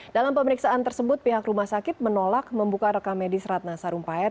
dalam pemeriksaan tersebut pihak rumah sakit menolak membuka rekamedis ratna sarumpait